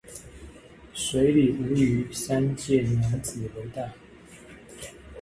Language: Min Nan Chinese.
水裡無魚，三界娘仔為大